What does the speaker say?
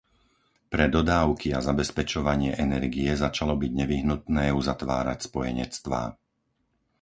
Pre dodávky a zabezpečovanie energie začalo byť nevyhnutné uzatvárať spojenectvá.